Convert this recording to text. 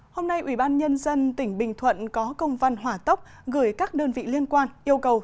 hôm nay ủy ban nhân dân tỉnh bình thuận có công văn hỏa tốc gửi các đơn vị liên quan yêu cầu